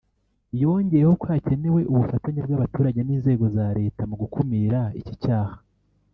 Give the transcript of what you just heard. yongeyeho ko hakenewe ubufatanye bw’abaturage n’inzego za Leta mu gukumira iki cyaha